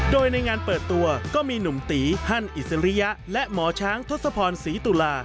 โดยในงานเปิดตัวก็มีหนุ่มตีฮั่นอิสริยะและหมอช้างทศพรศรีตุลา